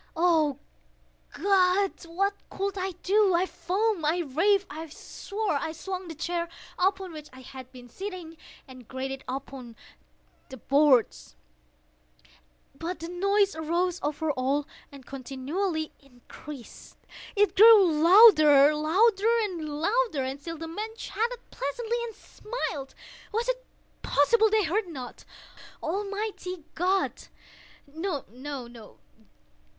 Oh God! what could I do? I foamed—I raved—I swore! I swung the chair upon which I had been sitting, and grated it upon the boards, but the noise arose over all and continually increased. It grew louder—louder—louder! And still the men chatted pleasantly, and smiled. Was it possible they heard not? Almighty God!—no, no!